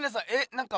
なんか。